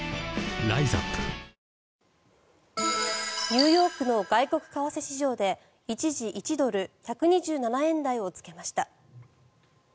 ニューヨークの外国為替市場で一時、１ドル＝１２７円台をつけました。